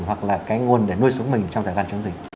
hoặc là cái nguồn để nuôi sống mình trong thời gian chống dịch